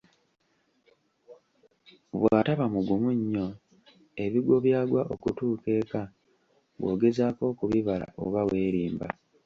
Bw’ataba mugumu nnyo ebigwo byagwa okutuuka eka bw'ogezaako okubibala oba weerimba!